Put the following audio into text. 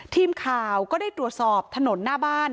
ทีมข่าวก็ได้ตรวจสอบถนนหน้าบ้าน